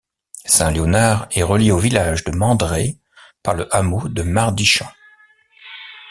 Saint-Léonard est reliée au village de Mandray par le hameau de Mardichamp.